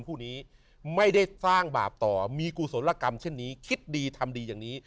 คู่นี้ไม่ได้สร้างบาปต่อมีกุศลกรรมเช่นนี้คิดดีทำดีอย่างนี้